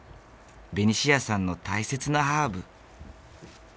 ベニシアさんの大切なハーブ。